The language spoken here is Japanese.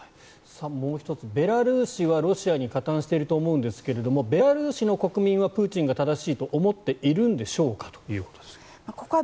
もう１つベラルーシはロシアに加担していると思うんですがベラルーシの国民はプーチンが正しいと思っているんでしょうか？ということです。